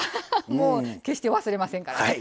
決して忘れませんから。